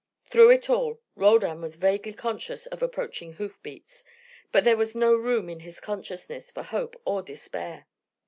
Through it all Roldan was vaguely conscious of approaching hoofbeats, but there was no room in his consciousness for hope or despair.